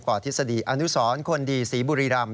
ทฤษฎีอนุสรคนดีศรีบุรีรำ